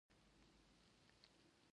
ځغاسته د بدن هر غړی خوځوي